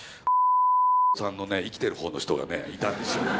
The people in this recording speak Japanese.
さんのね生きてる方の人がねいたんですよ。